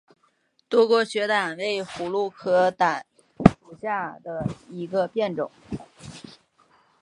多果雪胆为葫芦科雪胆属下的一个变种。